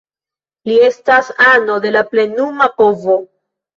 Li estas ano de la plenuma povo.